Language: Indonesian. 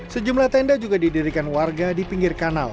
sejumlah tenda juga didirikan warga di pinggir kanal